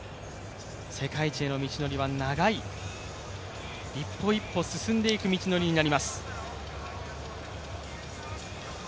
世界一への道のりは長い、一歩一歩進んでいく道のりになります。